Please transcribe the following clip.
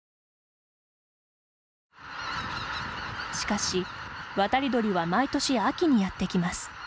しかし、渡り鳥は毎年秋にやってきます。